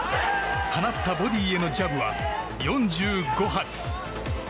放ったボディーへのジャブは４５発。